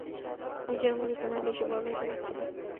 তিনজনের মধ্যে তোমায় বেশি বড়লোক দেখাচ্ছিলো।